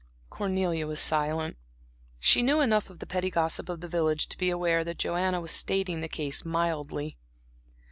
Cornelia was silent. She knew enough of the petty gossip of the village to be aware that Joanna was stating the case mildly.